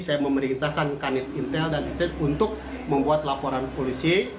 saya memerintahkan kanit intel dan insentif untuk membuat laporan polisi